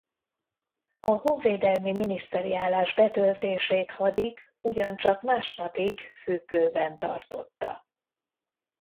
A honvédelmi miniszteri állás betöltését Hadik ugyancsak másnapig függőben tartotta.